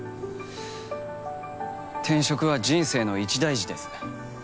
転職は人生の一大事です。